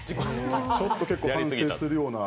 ちょっと結構反省するような。